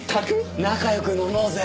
仲良く飲もうぜ。